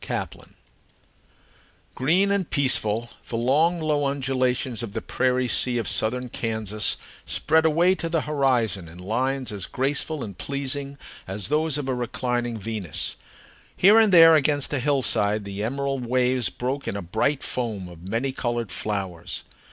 HOLLYHOCKS Green and peaceful, the long, low undulations of the prairie sea of southern Kansas spread away to the horizon in lines as graceful and pleasing as those of a reclining Venus. Here and there against a hillside the emerald waves broke in a bright foam of many colored flowers.